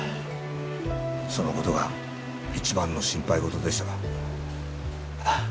そのことが一番の心配事でしたわ